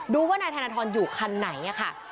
ดูว่านายธนทรอยู่คันไหนเนี่ยค่ะ